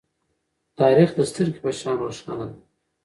تاریخ د سترگې په شان روښانه ده.